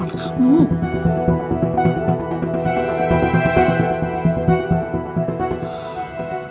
mak aku mau cakap